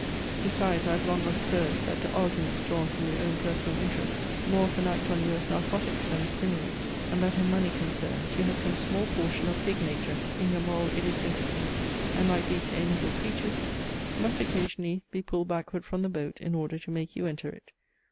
Besides, I have long observed, that arguments drawn from your own personal interests more often act on you as narcotics than as stimulants, and that in money concerns you have some small portion of pig nature in your moral idiosyncrasy, and, like these amiable creatures, must occasionally be pulled backward from the boat in order to make you enter it.